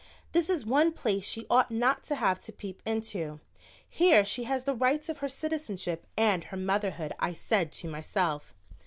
"This is one place she ought not to have to peep into; here she has the rights of her citizenship and her motherhood," I said to myself.